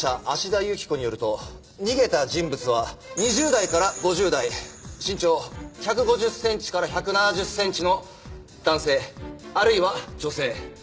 芦田雪子によると逃げた人物は２０代から５０代身長１５０センチから１７０センチの男性あるいは女性。